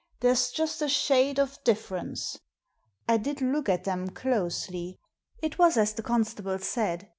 There's just a shade of difference.'* I did look at them closely. It was as the con stable said.